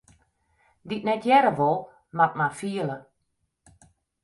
Dy't net hearre wol, moat mar fiele.